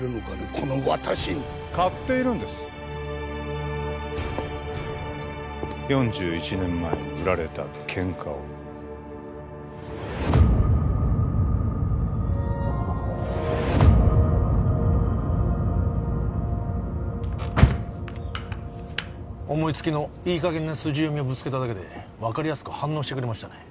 この私に買っているんです４１年前に売られた喧嘩を思いつきのいい加減なスジヨミをぶつけただけで分かりやすく反応してくれましたね